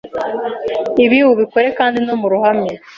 Ibi ubikora kandi no mu ruhame,